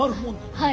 はい。